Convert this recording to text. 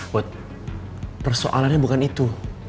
put persoalannya bukan itu